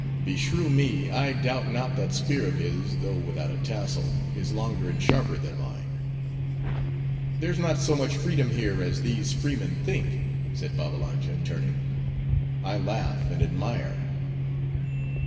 Beshrew me, I doubt not, that spear of his, though without a tassel, is longer and sharper than mine." "There's not so much freedom here as these freemen think," said Babbalanja, turning; "I laugh and admire."